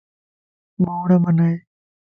ٻوڙ بنائي